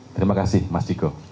terima kasih mas jiko